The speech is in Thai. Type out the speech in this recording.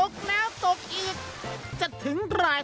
สวัสดีครับ